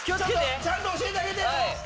ちゃんと教えてあげてよ！